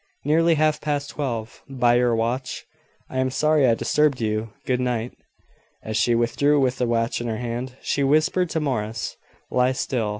"Nearly half past twelve, by your watch. I am sorry I disturbed you. Good night." As she withdrew with the watch in her hand, she whispered to Morris: "Lie still.